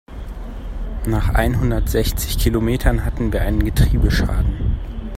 Nach einhundertsechzig Kilometern hatten wir einen Getriebeschaden.